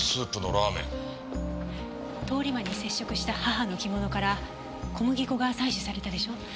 通り魔に接触した母の着物から小麦粉が採取されたでしょ？